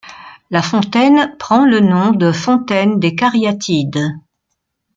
La fontaine prend le nom de fontaine des Cariatides.